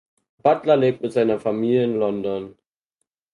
Butler lebt mit seiner Familie in London.